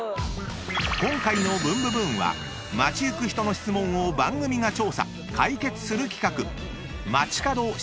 ［今回の『ブンブブーン！』は街行く人の質問を番組が調査解決する企画街かど質問大賞］